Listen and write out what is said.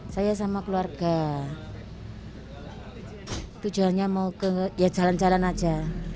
saya sama keluarga tujuannya mau ke jalan jalan saja